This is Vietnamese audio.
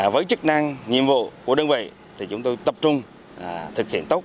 với chức năng nhiệm vụ của đơn vị thì chúng tôi tập trung thực hiện tốt